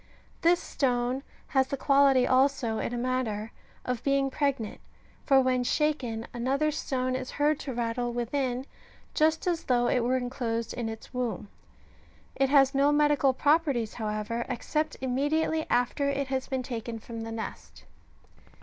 This stone has the quality also, in a manner, of being pregnant, for when shaken, another stone is heard to rattle within, just as though it were enclosed in its womb ; it has no medical properties, however, except immediately after it has been taken from the nest.